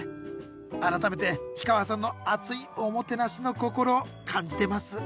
改めて氷川さんの熱いおもてなしの心感じてます